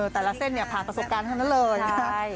แต่ละเส้นเนี่ยผ่านประสบการณ์ทั้งนั้นเลย